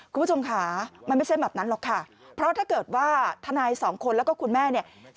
คุณผู้ชมค่ะมันไม่ใช่แบบนั้นหรอกค่ะเพราะถ้าเกิดว่าทนายสองคนแล้วก็คุณแม่เนี่ย